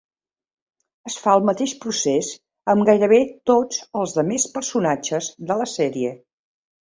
Es fa el mateix procés amb gairebé tots els de més personatges de la sèrie.